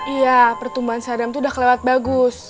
iya pertumbuhan sadam tuh udah kelewat bagus